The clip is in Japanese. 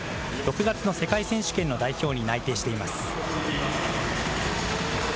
６月の世界選手権の代表に内定しています。